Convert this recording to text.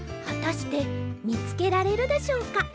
はたしてみつけられるでしょうか？